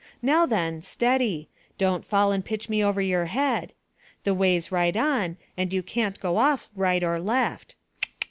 Now then, steady. Don't fall and pitch me over your head. The way's right on, and you can't go off right or left.